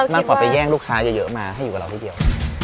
มากกว่าไปแย่งลูกค้าเยอะมาให้อยู่กับเรานิดเดียว